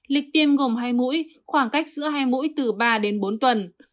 lịch tiêm gồm hai mũi khoảng cách giữa hai mũi từ ba đến bốn tuần